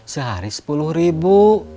sehari sepuluh ribu